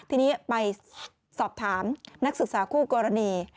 ทีนี้ไปสอบถามนักศึกษาคู่กรณี